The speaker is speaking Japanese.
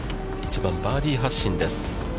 １番、バーディー発進です。